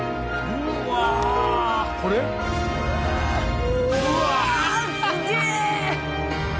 うわすげえ！